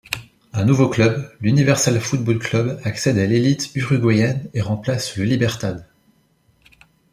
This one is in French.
Un nouveau club, l'Universal Football Club accède à l’élite uruguayenne et remplace le Libertad.